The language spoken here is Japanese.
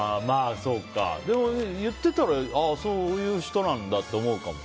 でも、言ってたらそういう人なんだって思うかも。